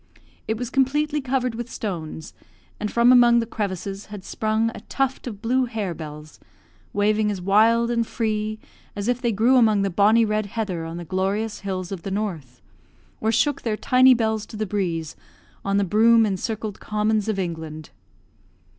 It was completely covered with stones, and from among the crevices had sprung a tuft of blue harebells, waving as wild and free as if they grew among the bonny red heather on the glorious hills of the North, or shook their tiny bells to the breeze on the broom encircled commons of England.